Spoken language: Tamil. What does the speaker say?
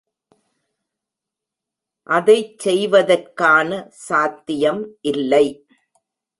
அதைச் செய்வதற்கான சாத்தியம் இல்லை.